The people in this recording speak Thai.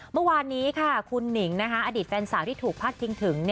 เมื่อวานนี้ค่ะคุณหนิงอดีตแฟนสาวที่ถูกพาดพิงถึง